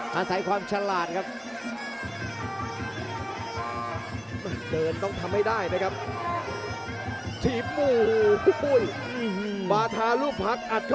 ไล่ขยมเขาอยู่ดีดีครับโอ้โหโอ้โหโอ้โหโอ้โหโอ้โหโอ้โห